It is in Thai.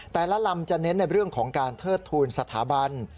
ลำจะเน้นในเรื่องของการเทิดทูลสถาบัน